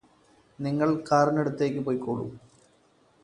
നിങ്ങള് കാറിനടുത്തേയ്ക് പൊയ്കോളൂ